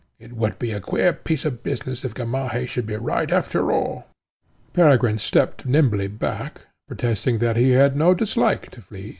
It would be a queer piece of business if Gamaheh should be right after all." Peregrine stepped nimbly back, protesting that he had no dislike to fleas.